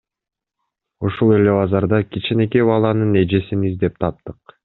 Ушул эле базарда кичинекей баланын эжесин издеп таптык.